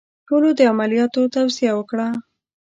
ټولو د عملیات توصیه وکړه.